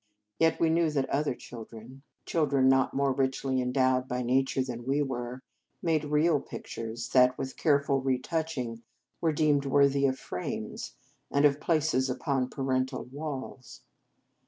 Yet we knew that other children, chil 242 The Game of Love dren not more richly endowed by na ture than we were, made real pictures that, with careful retouching, were deemed worthy of frames, and of places upon parental walls.